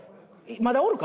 まだおるか？